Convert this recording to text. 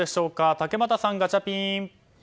竹俣さん、ガチャピン！